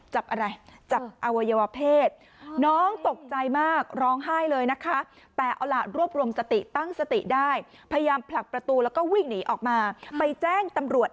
จับอะไรจับอวัยวเพศ